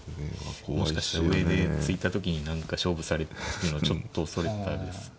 もしかしたら上で突いた時に何か勝負されるっていうのをちょっと恐れたんですけど。